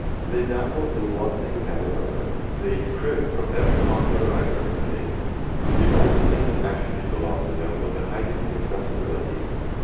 They dabbled in one thing and another; they "cribbed" from every popular writer of the day. The only thing that actually belonged to them was a high degree of sensibility.